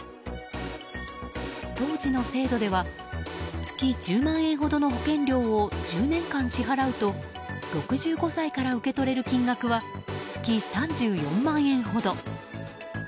当時の制度では月１０万円ほどの保険料を１０年間支払うと６５歳から受け取れる金額は月３４万円ほど。